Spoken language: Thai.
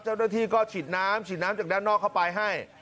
เจ้าหน้าที่ก็ฉีดน้ำฉีดน้ำจากด้านนอกเข้าไปให้